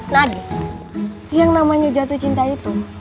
nadif yang namanya jatuh cinta itu